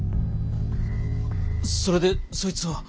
それでそいつは？